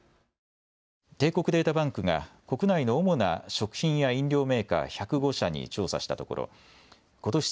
帝国データバンクが国内の主な食品や飲料メーカー、１０５社に調査したところことし